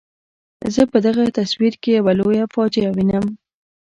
زه په دغه تصویر کې یوه لویه فاجعه وینم.